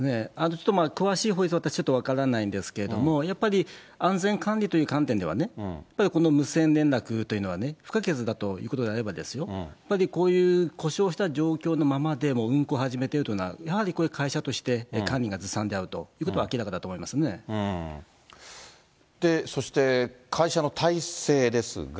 ちょっと詳しい法律はちょっと私分からないんですけれども、やっぱり安全管理という観点では、この無線連絡というのはね、不可欠だということであればですよ、やっぱりこういう故障した状況のままで運航を始めてるというのは、やはりこれ、会社として管理がずさんであるということは明らかだそして、会社の体制ですが。